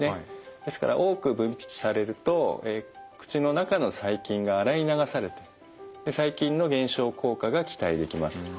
ですから多く分泌されると口の中の細菌が洗い流されて細菌の減少効果が期待できます。